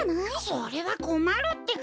それはこまるってか。